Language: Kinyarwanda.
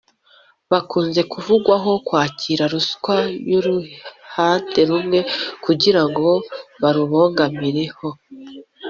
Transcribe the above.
bakunze kuvugwaho kwakira ruswa y’uruhande rumwe kugira ngo barubogamireho